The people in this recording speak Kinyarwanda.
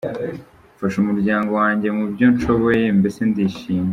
Mfasha umuryango wanjye mu byo nshoboye, mbese ndishimye.